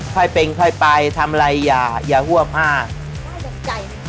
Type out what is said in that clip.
ค่อยเป็นค่อยไปทำอะไรอย่าหั่วพากได้จากใจ